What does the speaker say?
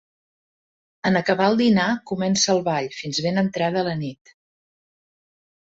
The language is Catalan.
En acabar el dinar comença el ball fins ben entrada la nit.